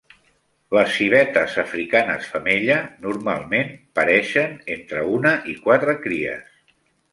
Les civetes africanes femella normalment pareixen entre una i quatre cries.